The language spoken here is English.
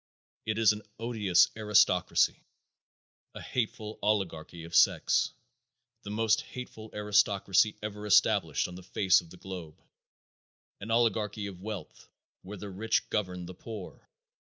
It is an odious aristocracy; a hateful oligarchy of sex; the most hateful aristocracy ever established on the face of the globe; an oligarchy of wealth, where the rich govern the poor.